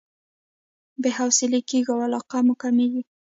بې حوصلې کېږو او علاقه مو کميږي.